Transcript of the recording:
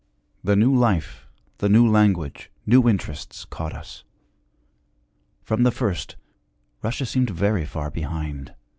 The new life, the new language, new interests, caught us. From the first Russia seemed very far behind.